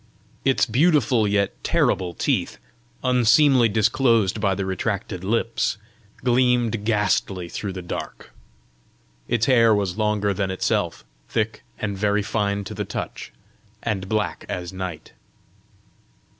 Its beautiful yet terrible teeth, unseemly disclosed by the retracted lips, gleamed ghastly through the dark. Its hair was longer than itself, thick and very fine to the touch, and black as night.